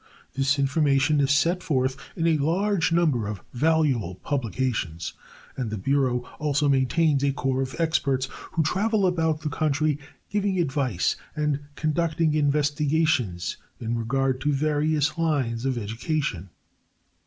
This information is set forth in a large number of valuable publications, and the Bureau also maintains a corps of experts who travel about the country giving advice and conducting investigations in regard to various lines of education.